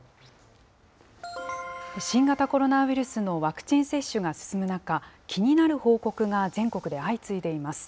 新型コロナウイルスのワクチン接種が進む中、気になる報告が全国で相次いでいます。